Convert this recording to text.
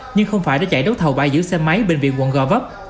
nhưng không phải đã chạy đấu thầu bãi giữ xe máy bình viện quận gò vấp